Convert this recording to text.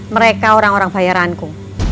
mereka orang orang bayaranku